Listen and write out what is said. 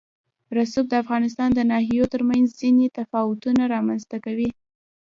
رسوب د افغانستان د ناحیو ترمنځ ځینې تفاوتونه رامنځ ته کوي.